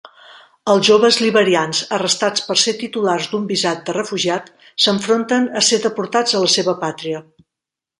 Els joves liberians arrestats per ser titulars d'un visat de refugiat s'enfronten a ser deportats a la seva pàtria.